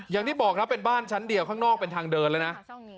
อย่างที่บอกครับเป็นบ้านชั้นเดียวข้างนอกเป็นทางเดินแล้วนะ